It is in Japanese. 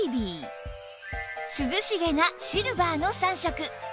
涼しげなシルバーの３色